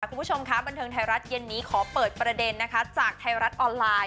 คุณผู้ชมค่ะบันเทิงไทยรัฐเย็นนี้ขอเปิดประเด็นนะคะจากไทยรัฐออนไลน์